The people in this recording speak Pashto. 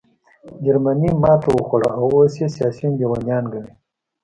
جرمني ماتې وخوړه او اوس یې سیاسیون لېونیان ګڼې